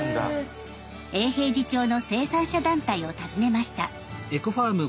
永平寺町の生産者団体を訪ねました。